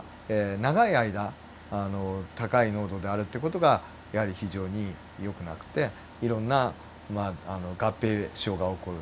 長い間高い濃度であるって事がやはり非常によくなくていろんな合併症が起こる。